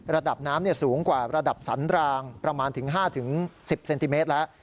ระดับน้ำเนี่ยสูงกว่าระดับสันดรางประมาณถึงห้าถึงสิบเซนติเมตรแล้ว